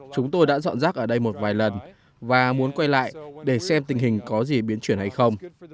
chúng tôi đã dọn rác ở đây một vài lần và muốn quay lại để xem tình hình có gì biến chuyển hay không